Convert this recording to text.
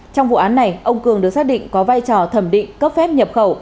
trong vụ án này ông cường được xác định có vai trò thẩm định cấp phép nhập khẩu